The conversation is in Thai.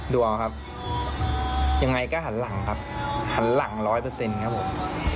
ดวงครับยังไงก็หันหลังครับหันหลังร้อยเปอร์เซ็นต์ครับผม